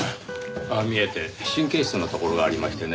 ああ見えて神経質なところがありましてね